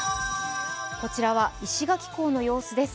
こちらは石垣港の様子です。